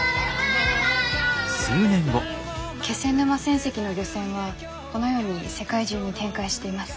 気仙沼船籍の漁船はこのように世界中に展開しています。